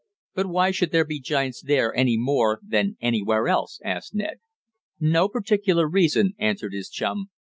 "But why should there be giants there any more than anywhere else?" asked Ned. "No particular reason," answered his chum.